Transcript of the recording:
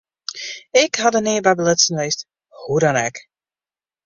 Ik ha der nea by belutsen west, hoe dan ek.